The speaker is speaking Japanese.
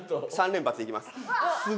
３連発いきます。